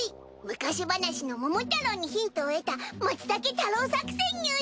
昔話の『桃太郎』にヒントを得たまつたけ太郎作戦にゅい！